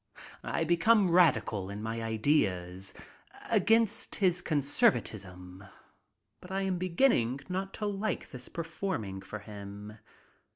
I become radical in my ideas. Against his conservatism. But I am beginning not to like this performing for him.